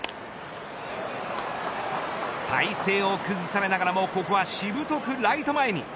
体勢を崩されながらもここはしぶとくライト前に。